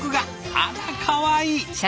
あらかわいい！